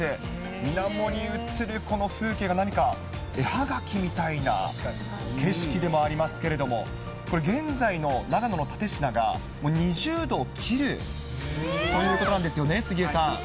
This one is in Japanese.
みなもに映るこの風景が何か絵葉書みたいな景色でもありますけれども、これ、現在の長野の蓼科が２０度を切るということなんですよね、杉江さ